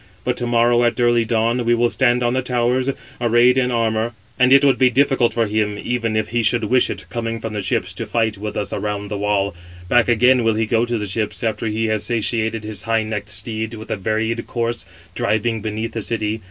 But to morrow, at early dawn, we will stand on the towers, arrayed in armour; and it would be difficult for him, even if he should wish it, coming from the ships, to fight with us around the wall. Back again will he go to the ships, after he has satiated his high necked steeds with a varied course, driving beneath the city.